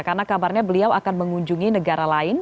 karena kabarnya beliau akan mengunjungi negara